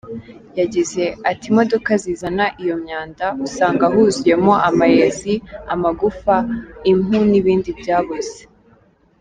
Yagize ati “Imodoka zizana iyo myanda, usanga huzuyemo amayezi, amagufa, impu n’ibindi byaboze.